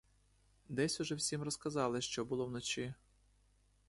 Десь уже всім розказали, що було вночі.